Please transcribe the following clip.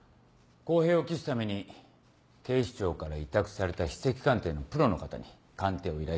公平を期すために警視庁から委託された筆跡鑑定のプロの方に鑑定を依頼しました。